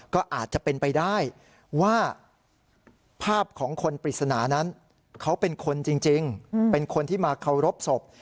ก็อาจจะเป็นไปได้ว่าภาพของคนปริศนานั้นเขาเป็นคนจริงเป็นคนที่มาเคารพศพ